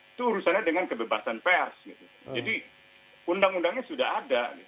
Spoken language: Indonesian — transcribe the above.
itu urusannya dengan kebebasan pers jadi undang undangnya sudah ada